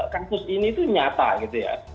kasus ini itu nyata gitu ya